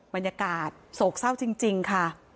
บรรยากาศโศกเศร้าจริงค่ะ